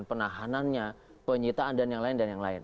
penyitaan dan yang lain